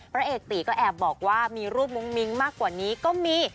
พระเอกตีก็แอบบอกว่ามีรูปมุ้งมิ้งมากกว่านี้ก็มี